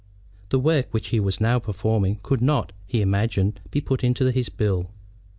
The work which he was now performing could not, he imagined, be put into his bill.